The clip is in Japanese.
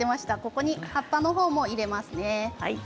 ここに葉っぱも入れますね。